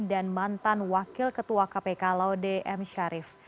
dan mantan wakil ketua kpk laude m sharif